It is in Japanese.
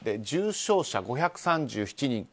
重症者５３７人。